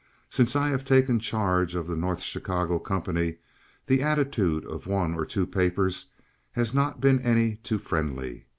Since I have taken charge of the North Chicago company the attitude of one or two papers has not been any too friendly."